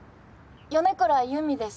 米倉優美です。